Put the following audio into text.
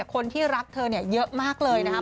คนที่รักเธอเนี่ยเยอะมากเลยนะครับ